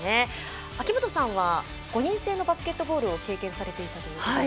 秋元さんは５人制のバスケットボールを経験されていたということで。